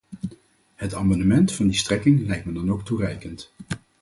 Het amendement van die strekking lijkt me dan ook toereikend.